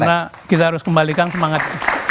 karena kita harus kembalikan semangat